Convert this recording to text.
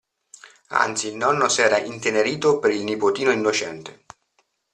Anzi il nonno s'era intenerito per il nipotino innocente.